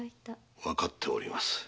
わかっております。